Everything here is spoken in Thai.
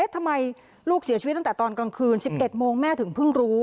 ทำไมลูกเสียชีวิตตั้งแต่ตอนกลางคืน๑๑โมงแม่ถึงเพิ่งรู้